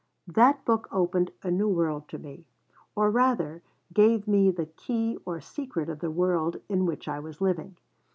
That book opened a new world to me, or, rather, gave me the key or secret of the world in which I was living.